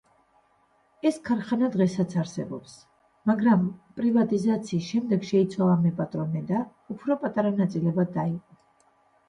ეს ქარხანა დღესაც არსებობს, მაგრამ პრივატიზაციის შემდეგ შეიცვალა მეპატრონე და უფრო პატარა ნაწილებად დაიყო.